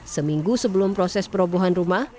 seminggu sebelum proses perobohan rumah